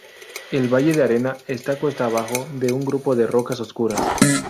El valle de arena está cuesta abajo de un grupo de rocas oscuras.